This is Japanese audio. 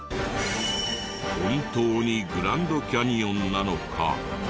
本当にグランドキャニオンなのか？